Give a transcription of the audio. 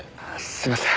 すいません。